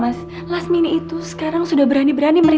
mas sebaiknya lasmini jangan tinggal di sini